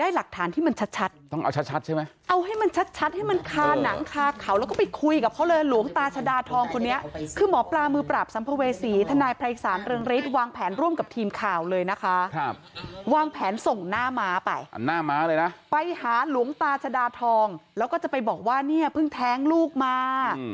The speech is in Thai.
หลวงตาชดาทองแล้วก็จะไปบอกว่าเนี่ยเพิ่งแท้งลูกมา